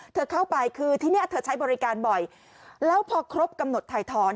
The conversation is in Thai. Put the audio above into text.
เธอเข้าไปคือที่นี่เธอใช้บริการบ่อยแล้วพอครบกำหนดถ่ายถอน